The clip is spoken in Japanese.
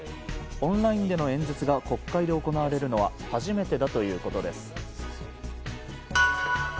オンラインでの演説が国会で行われるのは初めてだということです。